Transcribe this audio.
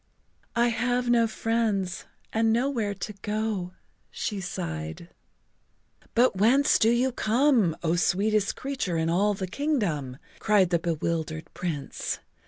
"I have no friends and nowhere to go," she sighed. "But whence do you come, O sweetest creature in all the kingdom?" cried the bewildered Prince.